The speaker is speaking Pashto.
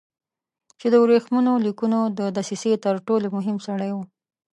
چې د ورېښمینو لیکونو د دسیسې تر ټولو مهم سړی و.